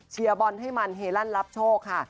เชียร์บอลให้มันเฮลันร์รับโชคค่ะ